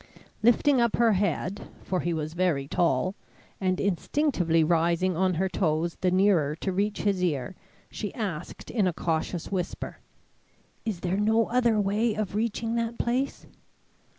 Lifting up her head, for he was very tall, and instinctively rising on her toes the nearer to reach his ear, she asked in a cautious whisper: "Is there no other way of reaching that place?"